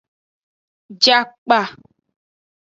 Je akpa.